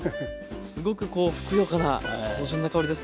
すごくこうふくよかな芳醇な香りです。